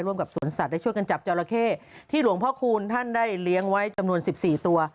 กับสวนสัตว์ได้ช่วยกันจับจอราเข้ที่หลวงพ่อคูณท่านได้เลี้ยงไว้จำนวน๑๔ตัว